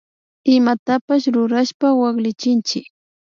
Imatapash rurashpa waklichinchik